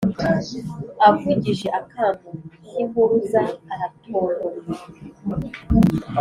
avugije akamo k’impuruza, aratontomye,